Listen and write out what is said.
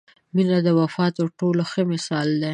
• مینه د وفادارۍ تر ټولو ښه مثال دی.